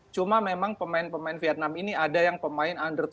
cuma memang pemain pemain vietnam ini ada yang pemain under dua puluh satu